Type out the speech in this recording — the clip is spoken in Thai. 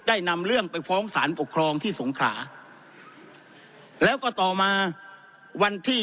นำเรื่องไปฟ้องสารปกครองที่สงขลาแล้วก็ต่อมาวันที่